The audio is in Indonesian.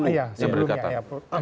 ya yang berdekatan